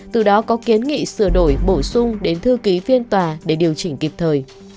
từ đó có kiến nghị sửa đổi bổ sung đến thư ký phiên tòa để điều chỉnh kịp thời